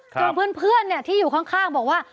ตรงเพื่อนเนี่ยที่อยู่ข้างบอกว่า